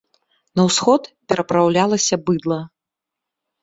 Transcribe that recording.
На ўсход перапраўлялася быдла.